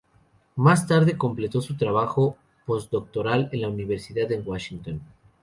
Más tarde completó su trabajo postdoctoral en la Universidad de Washington.